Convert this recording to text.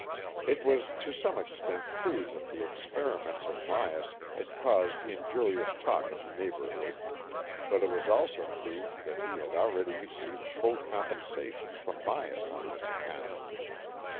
It was to some extent true that the experiments of Myas had caused injurious talk in the neighbourhood, but it was also true that he had already received full compensation from Myas on this account.